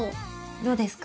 どうですか？